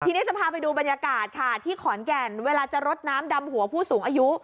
ทีนี้จะพาไปดูบรรยากาศค่ะที่ขอนแก่นเวลาจะรดน้ำดำหัวผู้สูงอายุ